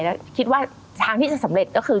แล้วคิดว่าทางที่จะสำเร็จก็คือ